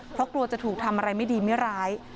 เพราะกลัวจะถูกทำอะไรไม่ดีไม่ร้าย